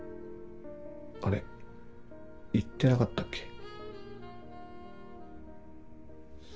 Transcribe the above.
あれ言ってなかったっけ？